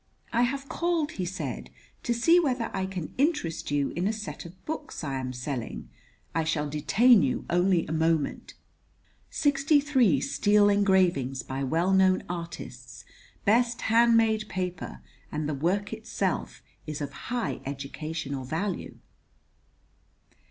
"I have called," he said, "to see whether I can interest you in a set of books I am selling. I shall detain you only a moment. Sixty three steel engravings by well known artists; best hand made paper; and the work itself is of high educational value."